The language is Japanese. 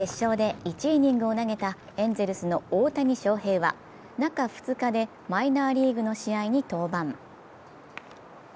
そしてＷＢＣの決勝で１イニングを投げたエンゼルスの大谷翔平は中２日でマイナーリーグの試合に登板。